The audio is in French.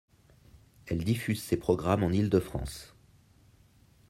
Elle diffuse ses programmes en Île-de-France.